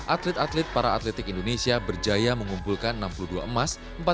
atlet atlet para atletik indonesia berjaya mengumpulkan enam puluh dua emas